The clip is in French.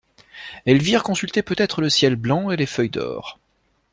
Elvire consultait peut-être le ciel blanc et les feuilles d'or.